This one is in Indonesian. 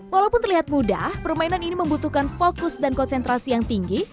walaupun terlihat mudah permainan ini membutuhkan fokus dan konsentrasi yang tinggi